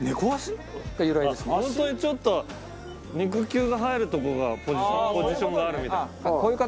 本当にちょっと肉球が入るとこがポジションがあるみたい。